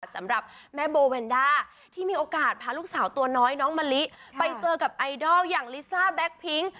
สำหรับแม่โบแวนด้าที่มีโอกาสพาลูกสาวตัวน้อยน้องมะลิไปเจอกับไอดอลอย่างลิซ่าแก๊กพิ้ง